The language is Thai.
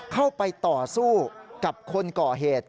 เข้าไปต่อสู้กับคนก่อเหตุ